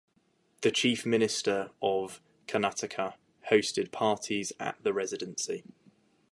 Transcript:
The Chief Minister of Karnataka hosted parties at the Residency.